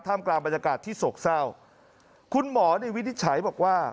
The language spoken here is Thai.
ท่ามกลางบรรยากาศที่โศกเศร้าคุณหมอในวิทย์ใช้บอกว่า